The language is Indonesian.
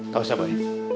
gak usah boy